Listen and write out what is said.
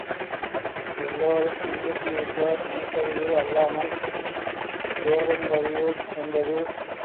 எல்லாரும் இன்புற்று இருக்க நினைப்பதுவே அல்லாமல் வேறொன்றறியேன் என்பது.